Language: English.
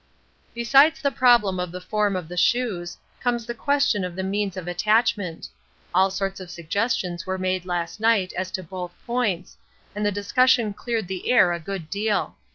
Besides the problem of the form of the shoes, comes the question of the means of attachment. All sorts of suggestions were made last night as to both points, and the discussion cleared the air a good deal.